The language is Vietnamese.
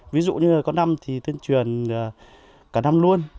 ví dụ như là có năm thì tuyên truyền cả năm luôn